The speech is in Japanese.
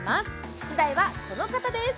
出題はこの方です